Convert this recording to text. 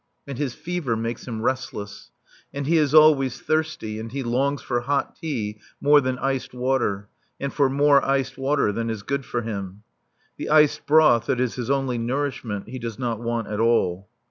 And his fever makes him restless. And he is always thirsty and he longs for hot tea more than iced water, and for more iced water than is good for him. The iced broth that is his only nourishment he does not want at all.